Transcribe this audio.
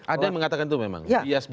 ada yang mengatakan itu memang bias konfirmasi